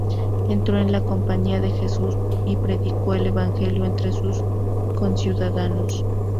Entró en la Compañía de Jesús y predicó el evangelio entre sus conciudadanos.